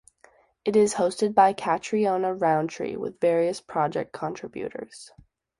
It is hosted by Catriona Rowntree with various project contributors.